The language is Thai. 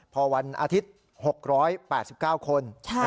พอวันอาทิตย์๖๘๙คน